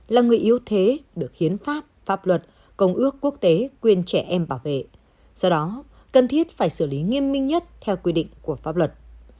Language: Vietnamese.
là người yếu thế được hiến pháp pháp luật công ước quốc tế quyền trẻ em bảo vệ do đó cần thiết phải xử lý nghiêm minh nhất theo quy định của pháp luật